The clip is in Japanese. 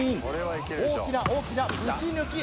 大きな大きなぶち抜き